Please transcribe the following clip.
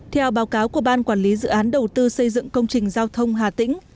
theo báo cáo của ban quản lý dự án đầu tư xây dựng công trình giao thông hà tĩnh